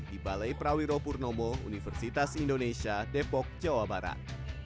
di balai prawiro purnomo universitas indonesia depok jawa barat